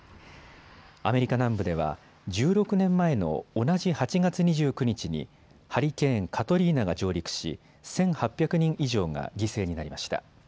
アメリカ南部では１６年前の同じ８月２９日にハリケーン、カトリーナが上陸し１８００人以上が犠牲になりました。